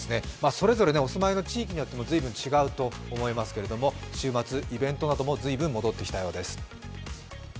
それぞれお住まいの地域によっても随分違うと思うんですけども週末、イベントなども随分戻ってきたようです。